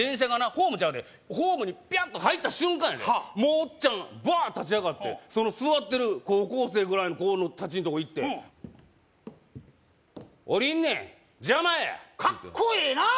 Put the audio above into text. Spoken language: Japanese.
ホームちゃうでホームにピャッと入った瞬間やでもうオッチャンバーッ立ち上がってその座ってる高校生ぐらいの子達んとこ行って降りるねん邪魔やカッコええなあ